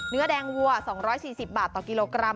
เนื้อแดงวัว๒๔๐บาทต่อกิโลกรัม